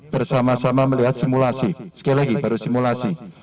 bersama sama melihat simulasi sekali lagi baru simulasi